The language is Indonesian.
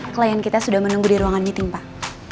klien kita sudah menunggu di ruangan meeting pak